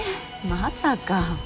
まさか。